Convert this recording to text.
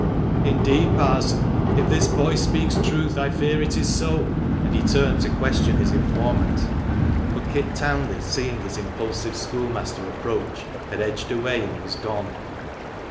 " Indeed, Parson, if this boy speaks truth, I fear it is so," and he turned to question his informant ; but Kit Townley, seeing his impulsive schoolmaster approach, had edged away, and was gone.